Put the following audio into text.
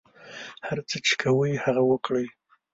هر څه چې کوئ هغه وکړئ.